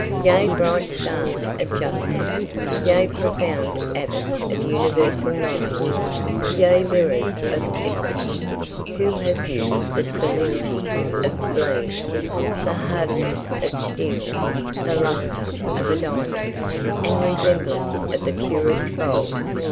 Ye bright Stars of Justice, ye profound Abyss of universal Knowledge, ye Mirrors of Equity, who have in you the Solidity of Lead, the Hardness of Steel, the Lustre of a Diamond, and the Resemblance of the purest Gold!